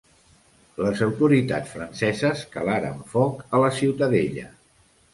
Les autoritats franceses calaren foc a la ciutadella.